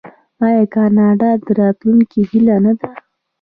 آیا کاناډا د راتلونکي هیله نه ده؟